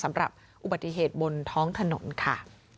สำหรับอุบัติเหตุบนท้องถนนค่ะ